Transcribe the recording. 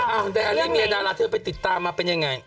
อ้าวแต่อันนี้เมียดาราเธอไปติดตามมาเป็นยังไง